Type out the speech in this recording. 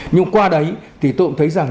nhưng qua đấy thì tôi cũng thấy rằng